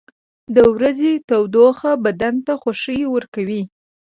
• د ورځې تودوخه بدن ته خوښي ورکوي.